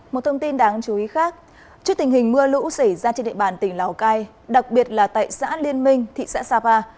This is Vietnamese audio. một thông tin đáng chú ý khác trước tình hình mưa lũ xảy ra trên địa bàn tỉnh lào cai đặc biệt là tại xã liên minh thị xã sapa